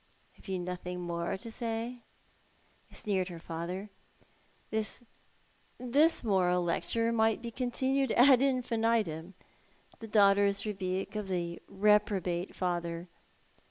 "Have you nothing more to say?" sneered her father. " This moral lecture might be continued ad infinitum — the (laughter's rebuke of the reprobate father.